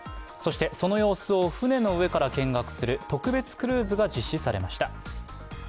そして、その様子を船の上から見学する特別クルーズが実施されました。